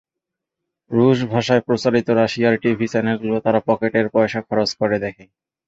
রুশ ভাষায় প্রচারিত রাশিয়ার টিভি চ্যানেলগুলো তারা পকেটের পয়সা খরচ করে দেখে।